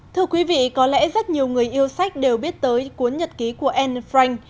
thưa quý vị có lẽ rất nhiều người yêu sách đều biết tới cuốn nhật ký của anne frank